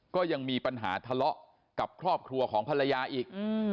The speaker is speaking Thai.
ก็ยังมีปัญหาทะเลาะกับครอบครัวของภรรยาอีก